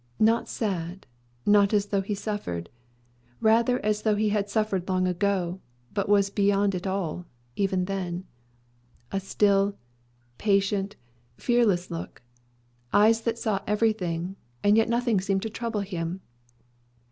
Not sad, not as though he suffered. Rather as though he had suffered long ago; but was beyond it all, even then. A still, patient, fearless look, eyes that saw everything; and yet nothing seemed to trouble him.